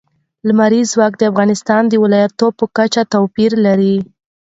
لمریز ځواک د افغانستان د ولایاتو په کچه توپیر لري.